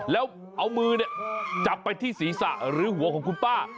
แล้วเอามือจับไปที่ศีรษะหรือหัวของคุณป้า